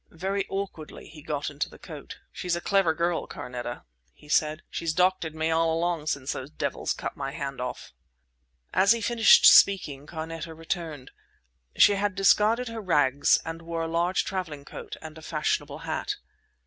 Very awkwardly he got into the coat. "She's a clever girl, Carneta," he said. "She's doctored me all along since those devils cut my hand off." As he finished speaking Carneta returned. She had discarded her rags and wore a large travelling coat and a fashionable hat.